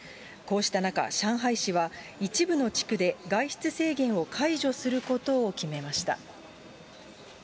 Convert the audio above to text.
こうした中、上海市は一部の地区で外出制限を解除することを決めました。